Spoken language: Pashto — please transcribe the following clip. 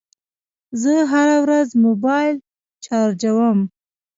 زه هره ورځ موبایل چارجوم.